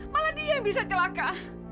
malah dia bisa celaka